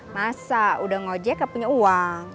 masa udah ngojek gak punya uang